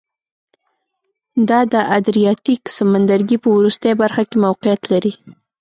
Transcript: دا د ادریاتیک سمندرګي په وروستۍ برخه کې موقعیت لري